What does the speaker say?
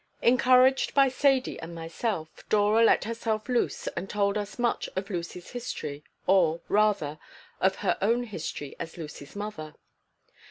Encouraged by Sadie and myself, Dora let herself loose and told us much of Lucy's history, or, rather, of her own history as Lucy's mother.